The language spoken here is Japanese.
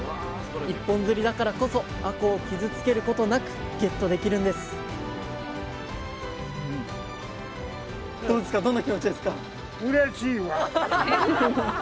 一本釣りだからこそあこうを傷つけることなくゲットできるんですわよかった！